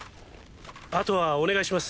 あとはお願いします